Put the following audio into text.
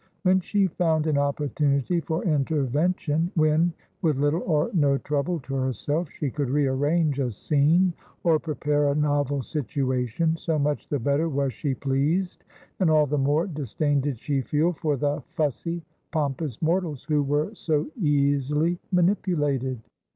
When she found an opportunity for intervention; when, with little or no trouble to herself, she could rearrange a scene or prepare a novel situation; so much the better was she pleased, and all the more disdain did she feel for the fussy, pompous mortals who were so easily manipulated.